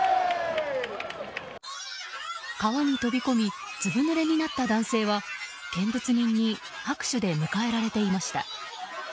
川に飛び込みずぶぬれになった男性は見物人に拍手で迎えられていました。